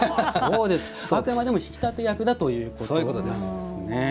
あくまでも引きたて役だということなんですね。